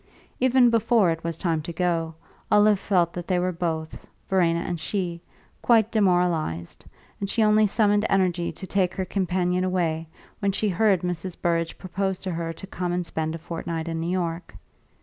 Even before it was time to go, Olive felt that they were both (Verena and she) quite demoralised, and she only summoned energy to take her companion away when she heard Mrs. Burrage propose to her to come and spend a fortnight in New York.